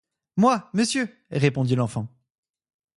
Moi, monsieur, répondit l'enfant.